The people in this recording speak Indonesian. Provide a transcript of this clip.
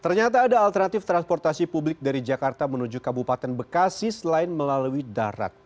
ternyata ada alternatif transportasi publik dari jakarta menuju kabupaten bekasi selain melalui darat